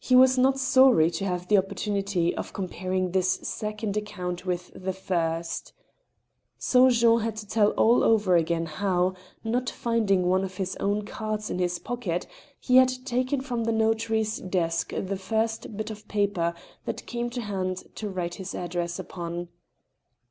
was not sorry to have the opportunity of comparing this second ac count with the first So Jean had to tell all over again how, not finding one of his own cards in his pockets, he had taken from the notary's desk the first bit of paper that came to hand to write his address upon.